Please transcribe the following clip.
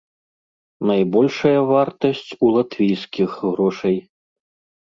Найбольшая вартасць у латвійскіх грошай.